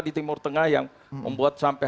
di timur tengah yang membuat sampai